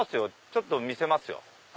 ちょっと見せますよ。